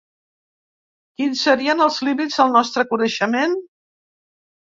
Quins serien els límits del nostre coneixement?